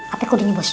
apa kodenya bos